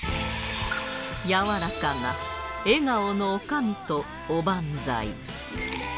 やわらかな笑顔の女将とおばんざい